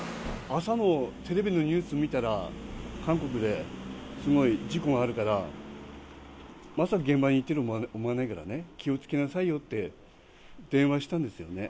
朝のテレビのニュース見たら、韓国で、すごい事故があるから、まさか現場に行ってるとは思わないからね、気をつけなさいよって電話したんですよね。